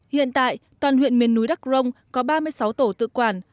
hiện tại toàn huyện miền núi đắc rông có ba mươi sáu tổ tự quản